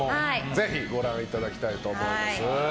ぜひご覧いただきたいと思います。